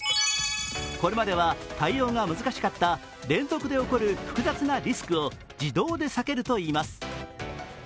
これまでは対応が難しかった連続で起こる複雑なリスクを自動で避けるといいます。